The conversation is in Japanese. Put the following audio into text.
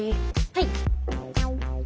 はい。